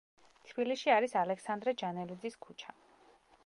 თბილისში არის ალექსანდრე ჯანელიძის ქუჩა.